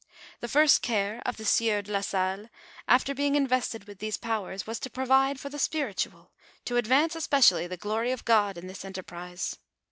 The first care of the sieur do la Sallo, after being invested with these powers, was to provide for the spirUual, to advance especially the glory of God in this enterprise.